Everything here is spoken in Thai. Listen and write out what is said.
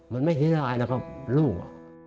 มันไม่ที่ท้ายนะครับลูก